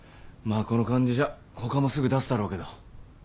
まあこの感じじゃ他もすぐ出すだろうけど。